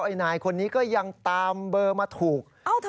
นายคนนี้ก็ยังตามเบอร์มาถูก